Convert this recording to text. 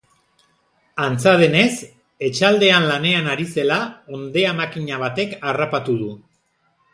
Antza denez, etxaldean lanean ari zela, hondeamakina batek harrapatu du.